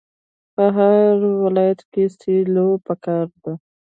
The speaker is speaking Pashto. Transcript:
په هر ولایت کې سیلو پکار ده.